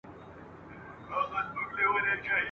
تا کاسه خپله وهلې ده په لته !.